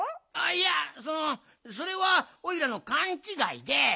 いやそのそれはおいらのかんちがいで。